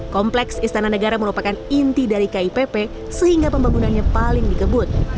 kompleks istana negara merupakan inti dari kipp sehingga pembangunannya paling dikebut